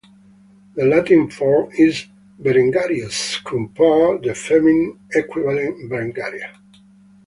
The Latin form is "Berengarius" - compare the feminine equivalent, "Berengaria".